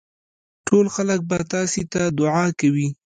ټول خلک به تاسي ته دعا کوي.